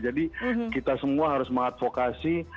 jadi kita semua harus mahat vokasi